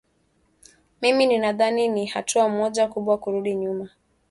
Mimi ninadhani ni hatua moja kubwa kurudi nyuma